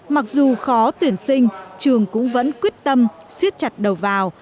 mặc dù khó tuyển sinh trường cũng vẫn quyết tâm siết chặt đầu vào